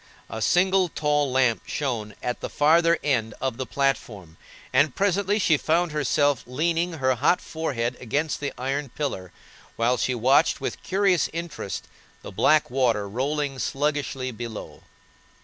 A single tall lamp shone at the farther end of the platform, and presently she found herself leaning her hot forehead against the iron pillar, while she watched with curious interest the black water rolling sluggishly below.